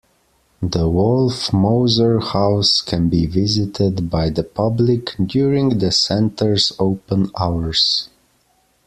The Wolff-Moser House can be visited by the public during the center's open hours.